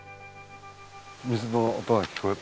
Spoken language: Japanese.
水の音が聞こえる。